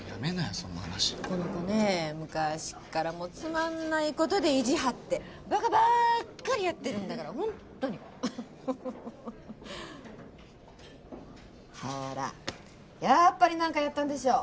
そんな話この子ね昔からつまんないことで意地はってバカばっかりやってるんだからほんとにほらやっぱり何かやったんでしょう？